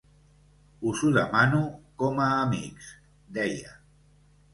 Us ho demano com a amics, deia.